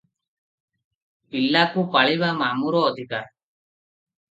ପିଲାକୁ ପାଳିବା ମାମୁଁର ଅଧିକାର ।